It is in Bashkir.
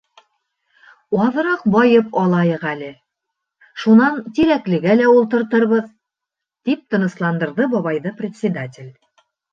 — Аҙыраҡ байып алайыҡ әле, шунан Тирәклегә лә ултыртырбыҙ, — тип тынысландырҙы бабайҙы председатель.